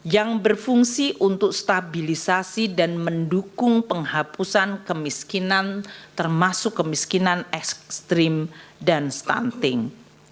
yang berfungsi untuk stabilisasi dan mendukung penghapusan kemiskinan termasuk kemiskinan ekstrim dan stunting